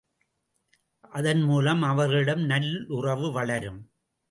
அதன் மூலம் அவர்களிடம் நல்லுறவு வளரும்.